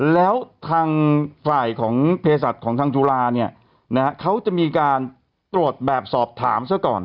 แล้วทางฝ่ายของเภสัตว์ของทางจุฬาเนี่ยนะฮะ